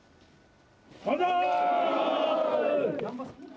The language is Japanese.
万歳。